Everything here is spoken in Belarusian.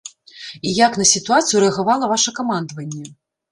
І як на сітуацыю рэагавала ваша камандаванне?